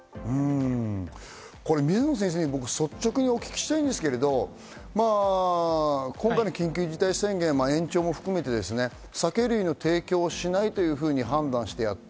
水野先生に率直にお聞きしたいんですが、今回の緊急事態宣言延長も含めて酒類の提供をしないというふうに判断してやった。